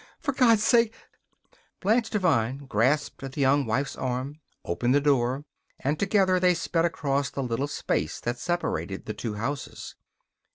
For God's sake " Blanche Devine grasped the Young Wife's arm, opened the door, and together they sped across the little space that separated the two houses.